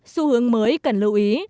xu hướng mới cần lưu ý